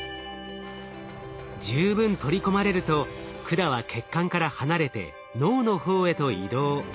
十分取り込まれると管は血管から離れて脳の方へと移動。